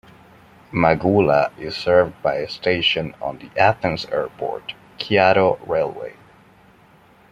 Magoula is served by a station on the Athens Airport-Kiato railway.